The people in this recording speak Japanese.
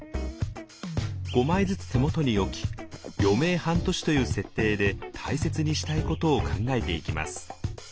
５枚ずつ手元に置き余命半年という設定で大切にしたいことを考えていきます。